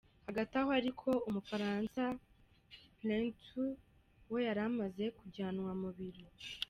Hagati aho ariko Umufaransa Prentout we yari yamaze kujyanwa mu biro.